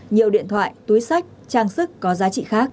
nhiều điện thoại túi sách trang sức có giá trị khác